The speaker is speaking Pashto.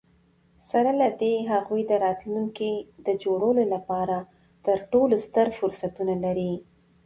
سره له دي، هغوی د راتلونکي د جوړولو لپاره تر ټولو ستر فرصتونه لري.